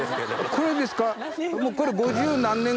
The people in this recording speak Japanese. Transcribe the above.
これですか？